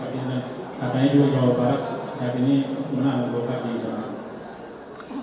katanya juga jawa barat saat ini menang golkar di sana